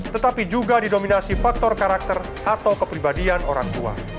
tetapi juga didominasi faktor karakter atau kepribadian orang tua